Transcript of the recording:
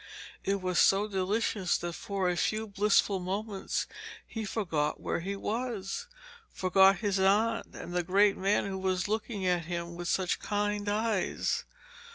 It was so delicious that for a few blissful moments he forgot where he was, forgot his aunt and the great man who was looking at him with such kind eyes.